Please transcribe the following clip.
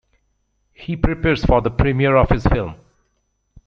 He prepares for the premiere of his film.